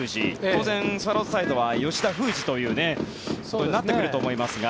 当然、スワローズサイドは吉田封じということになってくると思いますが。